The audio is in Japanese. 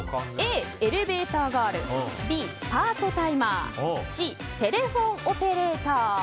Ａ、エレベーターガールＢ、パートタイマーＣ、テレフォンオペレーター。